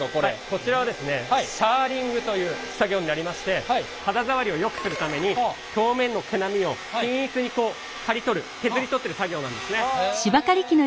こちらはですねシャーリングという作業になりまして肌触りをよくするために表面の毛並みを均一に刈り取る削り取ってる作業なんですね。